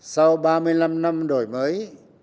sau ba mươi năm năm đổi mới